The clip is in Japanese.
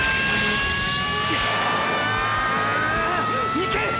いけ！！